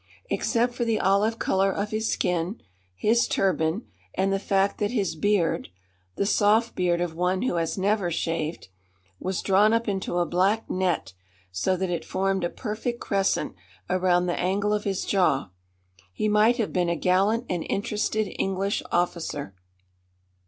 Except for the olive colour of his skin, his turban, and the fact that his beard the soft beard of one who has never shaved was drawn up into a black net so that it formed a perfect crescent around the angle of his jaw, he might have been a gallant and interested English officer.